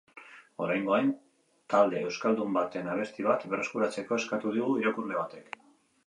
Oraingoan, talde euskaldun baten abesti bat berreskuratzeko eskatu digu irakurle batek.